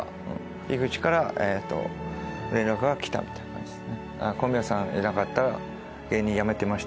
井口から連絡が来た感じですね。